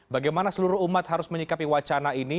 bagaimana seluruh umat harus menyikapi wacana ini